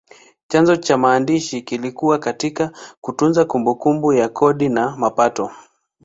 Chanzo cha maandishi kilikuwa katika kutunza kumbukumbu ya kodi na mapato.